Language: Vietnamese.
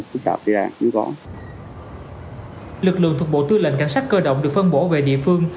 lực lượng thuộc bộ tư lệnh cảnh sát cơ động được phân bổ về địa phương